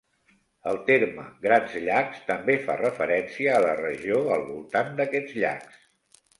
El terme Grans Llacs també fa referència a la regió al voltant d'aquests llacs.